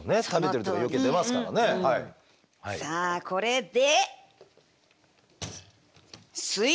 さあこれで。